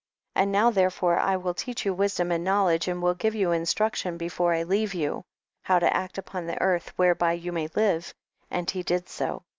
25. And now therefore I will teacii you wisdom and knowledge and will give you instmction before I leave you, how to act upon earth whereby you may live; and he did so.